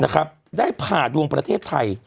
เนี่ยครับได้ผ่าดวงประเทศไทย